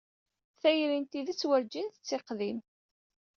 Tayri n tidet werǧin tettiqdim.